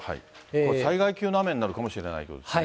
災害級の雨になるかもしれないということですね。